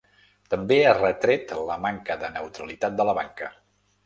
També ha retret la manca de neutralitat de la banca.